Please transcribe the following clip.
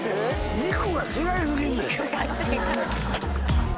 ⁉肉が違い過ぎんねん。